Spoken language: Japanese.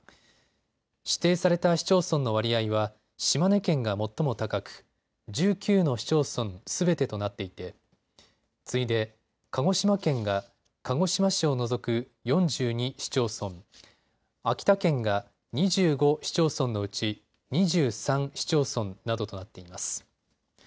指定された市町村の割合は島根県が最も高く１９の市町村すべてとなっていて次いで鹿児島県が鹿児島市を除く４２市町村、秋田県が２５市町村のうち２３市町村などとなっています。